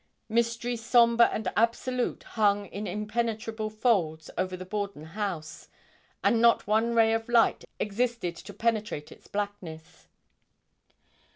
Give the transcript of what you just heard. Mystery sombre and absolute hung in impenetrable folds over the Borden house, and not one ray of light existed to penetrate its blackness.